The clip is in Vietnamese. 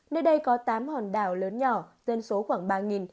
nơi đây có tám hòn đảo lớn nhỏ dân số khoảng ba